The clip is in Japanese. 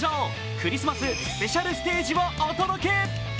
クリスマススペシャルステージをお届け。